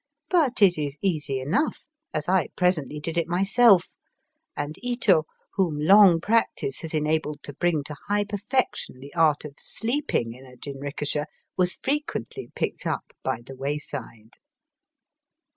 But it is easy enough, for I presently did it myself, and Ito, whom long practice has enabled to bring to high perfection the art of sleeping in a jin rikisha, was frequently picked up by the wayside.